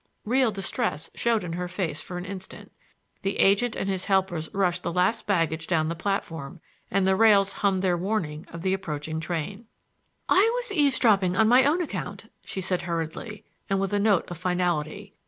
Real distress showed in her face for an instant. The agent and his helpers rushed the last baggage down the platform, and the rails hummed their warning of the approaching train. "I was eavesdropping on my own account," she said hurriedly and with a note of finality.